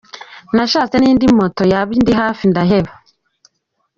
Nashatse n’indi moto yaba indi hafi ndaheba.